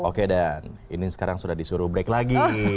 oke dan ini sekarang sudah disuruh break lagi